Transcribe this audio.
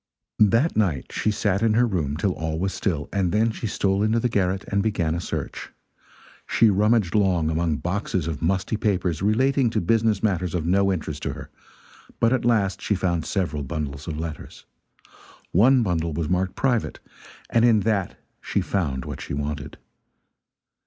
That night she sat in her room till all was still, and then she stole into the garret and began a search. She rummaged long among boxes of musty papers relating to business matters of no interest to her, but at last she found several bundles of letters. One bundle was marked "private," and in that she found what she wanted.